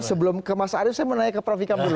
sebelum ke mas arief saya mau nanya ke prof ikam dulu